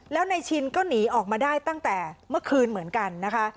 แล้วนายชินก็หนีออกมาได้ตั้งแต่เมื่อคืนเหมือนกันนะคะ